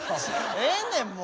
ええねんもう。